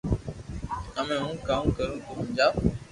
ھمي ھون ڪاو ڪرو تو ھمجاو